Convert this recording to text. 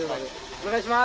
お願いします！